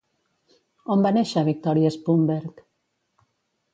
On va néixer Victoria Szpunberg?